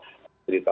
kita akan berusaha